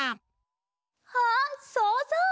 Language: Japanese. あっそうぞう！